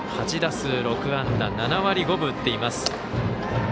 ８打数６安打７割５分、打っています。